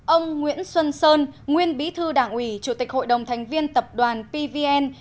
ông nguyễn xuân sơn nguyên bí thư đảng ủy chủ tịch hội đồng thành viên tập đoàn pvn